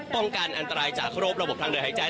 ป้องกันอันตรายจากโรคระบบทางเดินหายใจ